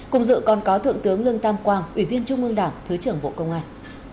cùng dự còn có thượng tướng lương tam quang ủy viên trung ương đảng thứ trưởng bộ công an